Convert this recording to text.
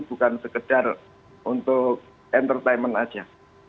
bukan sekedar untuk entertainment saja